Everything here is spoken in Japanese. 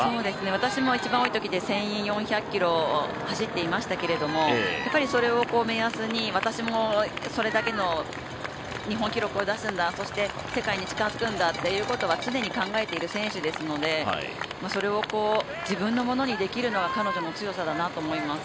私も一番多いときで１４００ｋｍ走ってましたけどそれを目安に、私もそれだけ日本記録を出すんだそして世界に近づくんだということは常に考えている選手ですのでそれを自分のものにできるのは彼女の強さだなと思います。